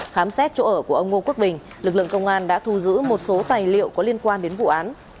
khám xét chỗ ở của ông ngô quốc bình lực lượng công an đã thu giữ một số tài liệu có liên quan đến vụ án